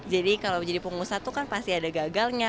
jadi kalau menjadi pengusaha itu kan pasti ada gagalnya